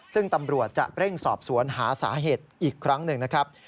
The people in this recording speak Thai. ซึ่งตำรวจจะเร่งสอบสวนหาสาเหตุอีกครั้งหนึ่งนะครับ